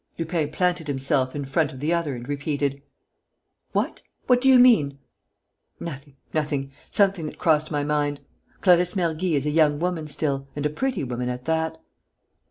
Lupin planted himself in front of the other and repeated: "What! What do you mean?" "Nothing.... Nothing.... Something that crossed my mind.... Clarisse Mergy is a young woman still and a pretty woman at that."